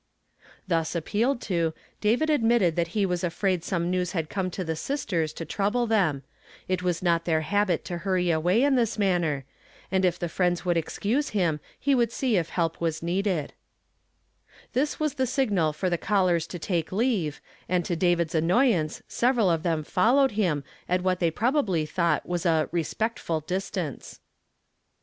Thus appealed to, David admitted that ho was afraid some news had come to tlie sist(U's to trouble them ; it was not their habit to huriy away 286 YESTERDAY FIIAMED IN TO DAV. li! i; in this iimniuM , and if the friends would ey^uso him lie wouhl see if help was needed. 'I'his was the sijriial for the eallers to take leave, and to David's annoyaiiec several of theni f(,l lowed him at what they probahly thoii<rht uas u "respeetful distaiiee."